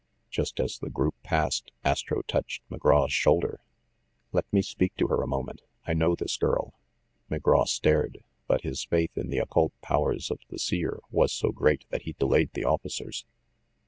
Just as the group passed, Astro touched Mc Graw's shoulder. "Let me speak to her a moment. I know this girl." McGraw stared; but his faith in the occult powers of the Seer was so great that he delayed the officers.